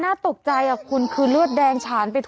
น่าตกใจคุณคือเลือดแดงฉานไปทั่ว